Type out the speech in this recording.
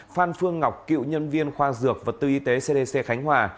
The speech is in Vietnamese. phan phương ngọc cựu nhân viên khoa dược vật tư y tế cdc khánh hòa